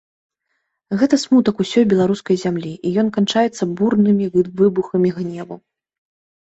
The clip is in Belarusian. Гэта смутак усёй беларускай зямлі, і ён канчаецца бурнымі выбухамі гневу.